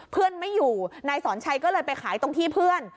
เพื่อนไม่อยู่นายสอนชัยก็เลยไปขายตรงที่เพื่อน